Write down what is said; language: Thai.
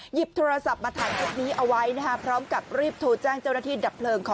หยิบโทรศัพท์มาถ่ายคลิปนี้เอาไว้นะครับพร้อมกับรีบโทรแจ้งเจ้าหน้าที่ดับเพลิง